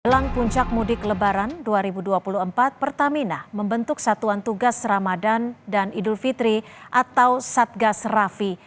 jelang puncak mudik lebaran dua ribu dua puluh empat pertamina membentuk satuan tugas ramadan dan idul fitri atau satgas rafi